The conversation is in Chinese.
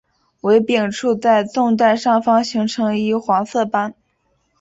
尾柄处在纵带上方形成一黄色斑。